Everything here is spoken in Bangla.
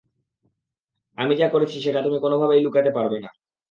আমি যা করেছি, সেটা তুমি কোনভাবেই লুকাতে পারবে না।